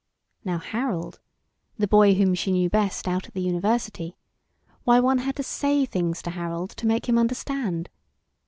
Now Harold, the boy whom she knew best out at the university, why one had to say things to Harold to make him understand!